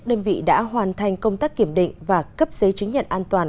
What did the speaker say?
đơn vị đã hoàn thành công tác kiểm định và cấp giấy chứng nhận an toàn